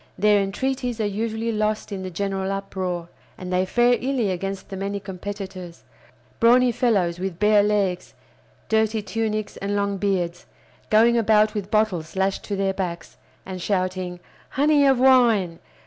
Their entreaties are usually lost in the general uproar, and they fare illy against the many competitors: brawny fellows with bare legs, dirty tunics, and long beards, going about with bottles lashed to their backs, and shouting "Honey of wine!